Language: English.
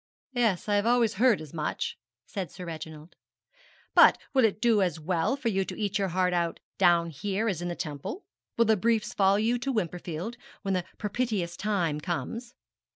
'Yes, I have always heard as much,' said Sir Reginald; 'but will it do as well for you to eat your heart out down here as in the Temple? Will the briefs follow you to Wimperfield when the propitious time comes?'